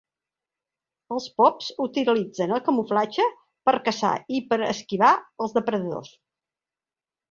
Els pops utilitzen el camuflatge per caçar i per esquivar els depredadors.